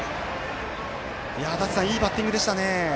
いいバッティングでしたね。